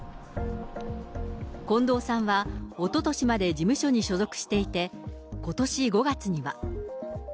近藤さんはおととしまで事務所に所属していて、ことし５月には。